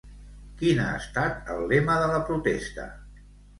Quin ha estat el lema de la protesta?